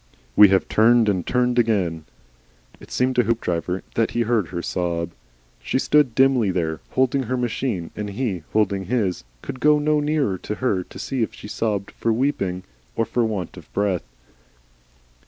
"We have turned and turned again." It seemed to Hoopdriver that he heard her sob. She stood dimly there, holding her machine, and he, holding his, could go no nearer to her to see if she sobbed for weeping or for want of breath.